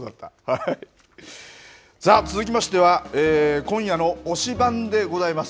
続きましては、今夜の推しバン！でございます。